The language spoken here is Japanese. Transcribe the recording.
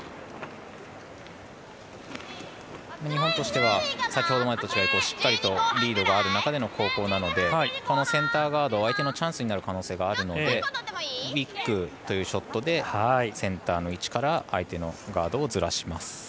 日本としてはしっかりリードがある中での後攻なのでこのセンターガードが相手のチャンスになる可能性があるのでウイッグというショットでセンターの位置から相手のガードをずらします。